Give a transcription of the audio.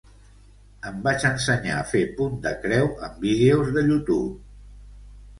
Em vaig ensenyar a fer punt de creu amb vídeos de YouTube.